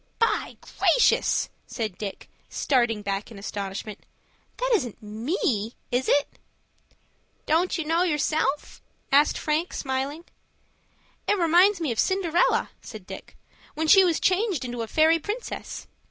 "By gracious!" said Dick, starting back in astonishment, "that isn't me, is it?" "Don't you know yourself?" asked Frank, smiling. "It reminds me of Cinderella," said Dick, "when she was changed into a fairy princess.